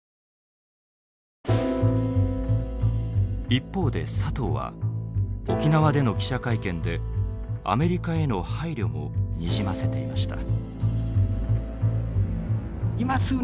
一方で佐藤は沖縄での記者会見でアメリカへの配慮もにじませていました。